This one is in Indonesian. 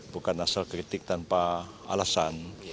bukan asal kritik tanpa alasan